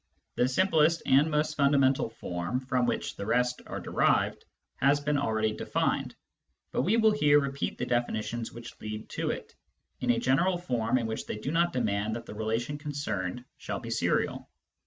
The simplest and most fundamental form, from which the rest are derived, has been already defined, but we will here repeat the definitions which lead to it, in a general form in which they do not demand that the relation concerned shall be serial.